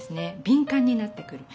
びん感になってくる。